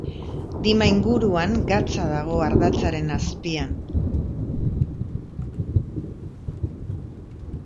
Dima inguruan gatza dago ardatzaren azpian.